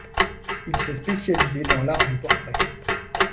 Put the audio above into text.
Il s'est spécialisé dans l'art du portrait.